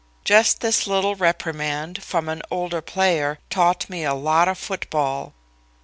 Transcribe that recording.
Just this little reprimand, from an older player, taught me a lot of football."